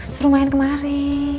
suruh main kemari